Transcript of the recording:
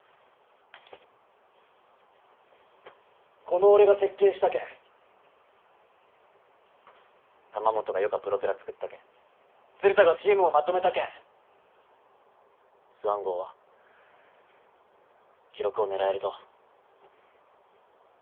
この俺が設計したけん玉本がよかプロペラ作ったけん鶴田がチームをまとめたけんスワン号は記録を狙えると。